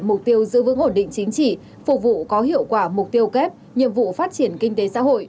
mục tiêu giữ vững ổn định chính trị phục vụ có hiệu quả mục tiêu kép nhiệm vụ phát triển kinh tế xã hội